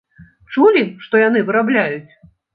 Чулі, што яны вырабляюць?